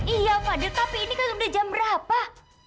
iya fadil tapi ini kan udah jam berapa